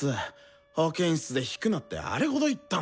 保健室で弾くなってあれほど言ったのに。